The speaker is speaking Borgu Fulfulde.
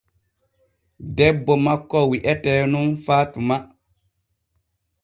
Debbo makko wi'etee nun fatuma.